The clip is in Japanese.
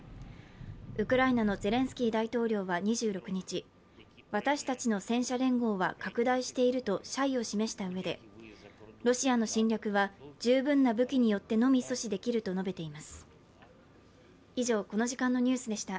ウクライナのゼレンスキー大統領は２６日、私たちの戦車連合は拡大していると謝意を示したうえでロシアの侵略は十分な武器によってのみ阻止できると述べています。